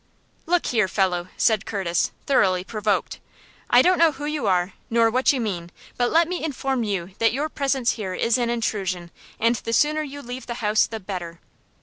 "Look here, fellow," said Curtis, thoroughly provoked, "I don't know who you are nor what you mean, but let me inform you that your presence here is an intrusion, and the sooner you leave the house the better!"